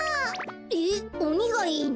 えっおにがいいの？